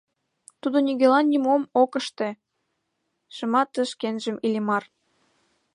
Тудо нигӧлан нимом ок ыште, шыматыш шкенжым Иллимар.